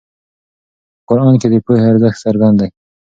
په قرآن کې د پوهې ارزښت څرګند دی.